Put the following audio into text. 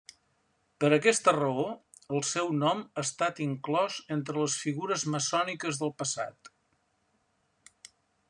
Per aquesta raó el seu nom ha estat inclòs entre les figures maçòniques del passat.